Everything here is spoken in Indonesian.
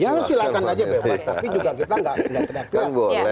ya silahkan aja bebas tapi juga kita nggak terak terak